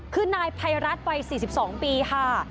คือนายไพรัทรปราย๔๒ปีค่ะ